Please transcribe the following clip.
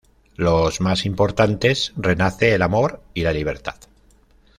Los más importantes: renace el amor y la libertad.